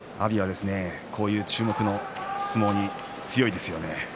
立田川さん、阿炎はこういう注目の相撲に強いですよね。